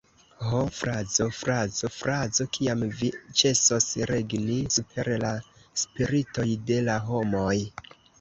Ho, frazo, frazo, frazo, kiam vi ĉesos regni super la spiritoj de la homoj!